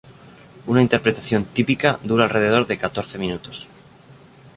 Una interpretación típica dura alrededor de catorce minutos.